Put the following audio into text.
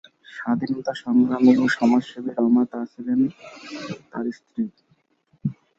স্বাধীনতা সংগ্রামী ও সমাজসেবী রমা তা ছিলেন তার স্ত্রী।